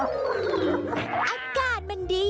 อากาศมันดี